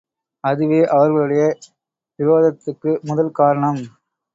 அதுவே அவர்களுடைய விரோதத்துக்கு முதல் காரணம்.